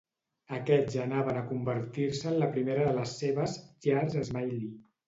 Aquests anaven a convertir-se en la primera de les seves "llars Smyly".